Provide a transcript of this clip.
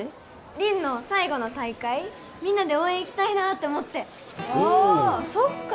凛の最後の大会みんなで応援行きたいなって思ってああそっか！